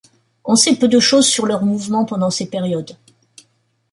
On sait peu de choses sur leurs mouvements pendant ces périodes.